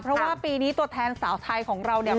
เพราะว่าปีนี้ตัวแทนสาวไทยของเราเนี่ย